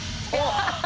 ハハハハ。